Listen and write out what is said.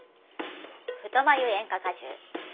太眉演歌歌手。